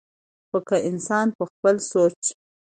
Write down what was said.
خو کۀ انسان پۀ خپل سوچ